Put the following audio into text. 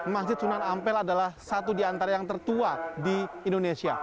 masjid sunan ampel adalah satu di antara yang tertua di indonesia